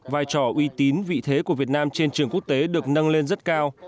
vai trò uy tín vị thế của việt nam trên trường quốc tế được nâng lên rất cao